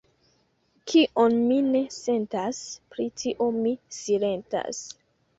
Kion mi ne sentas, pri tio mi silentas.